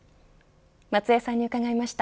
松江さんに伺いました。